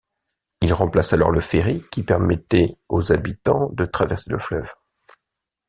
Il remplace alors le ferry qui permettait aux habitants de traverser le fleuve.